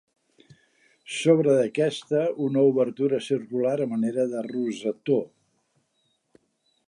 Sobre d'aquesta, una obertura circular a manera de rosetó.